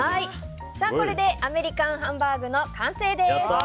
これでアメリカンハンバーグの完成です。